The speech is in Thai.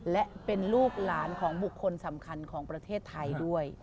และเป็นลูกหลานของบุคคลสำคัญของประเทศไทยด้วย